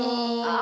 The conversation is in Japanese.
あ。